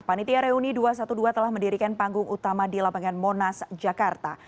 panitia reuni dua ratus dua belas telah mendirikan panggung utama di lapangan monas jakarta